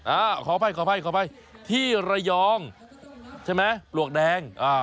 อ่าขออภัยขออภัยขออภัยที่ระยองใช่ไหมปลวกแดงอ่า